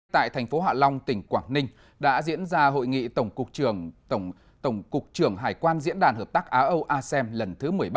tại thành phố hạ long tỉnh quảng ninh đã diễn ra hội nghị tổng cục trưởng hải quan diễn đàn hợp tác á âu asem lần thứ một mươi ba